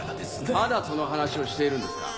まだその話をしているんですか。